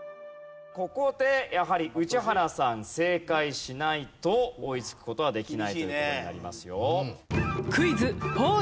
ここでやはり宇治原さん正解しないと追いつく事はできないという事になりますよ。